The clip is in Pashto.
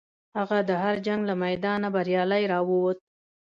هغه د هر جنګ له میدانه بریالی راووت.